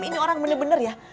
ini orang bener bener ya